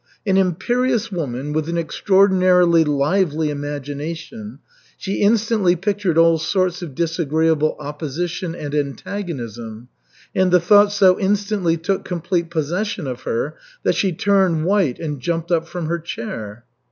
An imperious woman, with an extraordinarily lively imagination, she instantly pictured all sorts of disagreeable opposition and antagonism, and the thought so instantly took complete possession of her that she turned white and jumped up from her chair.